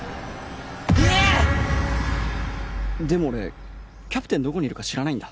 でも俺キャプテンどこにいるか知らないんだ。